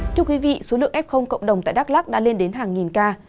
thưa quý vị số lượng f cộng đồng tại đắk lắc đã lên đến hàng nghìn ca